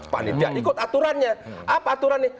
panitia ikut aturannya